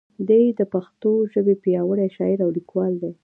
دی د پښتو ژبې پیاوړی شاعر او لیکوال دی.